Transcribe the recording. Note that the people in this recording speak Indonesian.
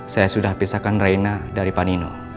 saya sudah pisahkan raina dari panino